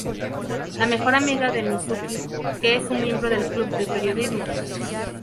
La mejor amiga de Mizuki que es un miembro del Club de Periodismo.